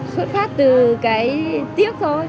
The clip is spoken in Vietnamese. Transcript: xuất phát từ cái tiếc thôi